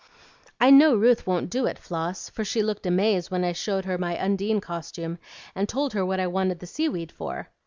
"I know Ruth won't do it, Floss, for she looked amazed when I showed her my Undine costume, and told her what I wanted the sea weed for.